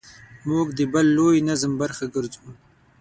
موږ د بل لوی نظم برخه ګرځو.